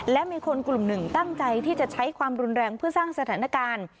และมีคนกลุ่มหนึ่งตั้งใจที่จะใช้ความรุนแรงเพื่อสร้างสถานการณ์